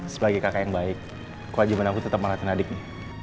sebagai kakak yang baik kewajiban aku tetap melatihin adiknya